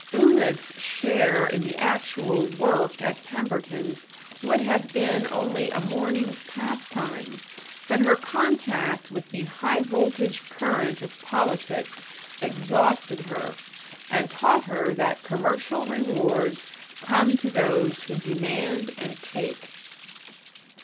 Una's share in the actual work at Pemberton's would have been only a morning's pastime, but her contact with the high voltage current of politics exhausted her and taught her that commercial rewards come to those who demand and take.